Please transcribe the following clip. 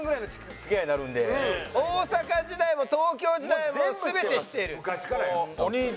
大阪時代も東京時代も全て知っている？